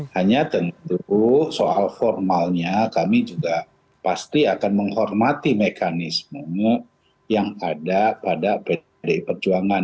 hanya tentu soal formalnya kami juga pasti akan menghormati mekanisme yang ada pada pdi perjuangan